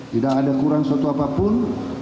tidak ada kurang suatu apapun